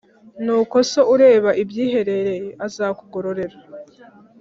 “nuko so ureba ibyiherereye azakugororera